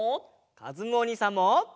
かずむおにいさんも！